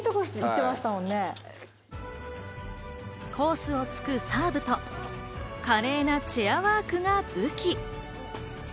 コースを突くサーブと、華麗なチェアワークが武器。